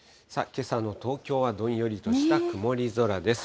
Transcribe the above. けさの東京はどんよりとした曇り空です。